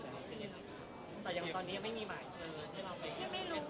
เราก็มีพวกลายที่คุยอะไรอย่างเงี้ยค่ะ